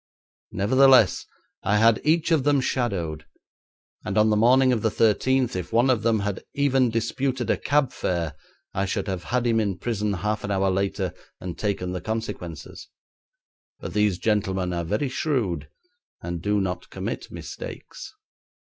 Nevertheless, I had each of them shadowed, and on the morning of the thirteenth if one of them had even disputed a cab fare I should have had him in prison half an hour later, and taken the consequences, but these gentlemen are very shrewd and do not commit mistakes.